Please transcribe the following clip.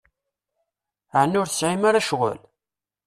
Ɛni ur tesɛim ara ccɣel?